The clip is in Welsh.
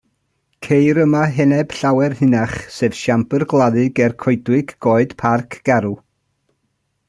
Ceir yma heneb llawer hynach, sef siambr gladdu ger coedwig Goed Parc Garw.